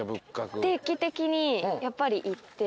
定期的にやっぱり行って。